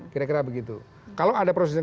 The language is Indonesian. kira kira begitu kalau ada proses